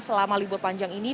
selama libur panjang ini